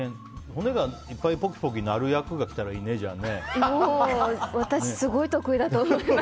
骨がいっぱいポキポキ鳴る役が来たらいいね、じゃあ。